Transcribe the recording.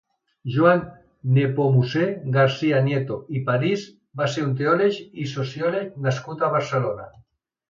Joan Nepomucè García-Nieto i París va ser un teòleg i sociòleg nascut a Barcelona.